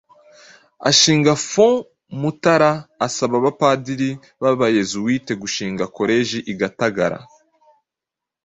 ashinga Fonds Mutara, asaba abapadiri b'abayezuwiti gushinga Koleji i Gatagara,